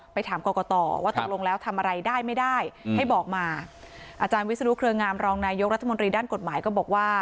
ถามกรกตว่าตกลงแล้วทำอะไรได้ไม่ได้ให้บอกมาอาจารย์วิศนุเครืองามรองนายกรัฐมนตรีด้านกฎหมายก็บอกว่า